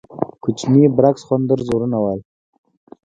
کوچني برګ سخوندر زورونه وهل.